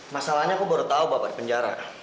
masalahnya aku baru tahu bapak di penjara